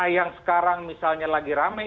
yang sekarang misalnya lagi rame